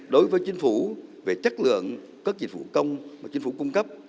đối với chính phủ về chất lượng các dịch vụ công mà chính phủ cung cấp